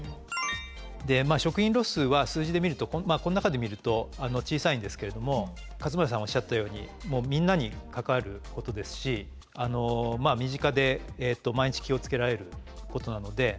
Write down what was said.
で食品ロスは数字で見るとこの中で見ると小さいんですけれども勝村さんおっしゃったようにみんなに関わることですし身近で毎日気を付けられることなので。